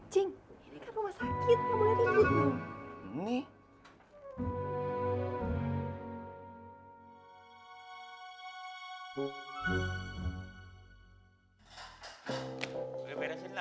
cing ini kan rumah sakit gak boleh liput lu